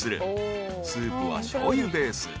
［スープはしょうゆベース］